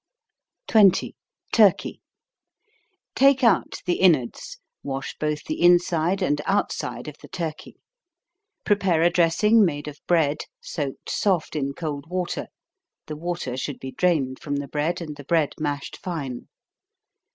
20. Turkey. Take out the inwards, wash both the inside and outside of the turkey. Prepare a dressing made of bread, soaked soft in cold water, (the water should be drained from the bread, and the bread mashed fine.)